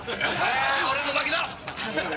ああ俺の負けだ。